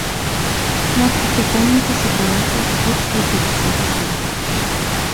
На адкрыццё помніка сабралася больш за пяцьдзясят асобаў.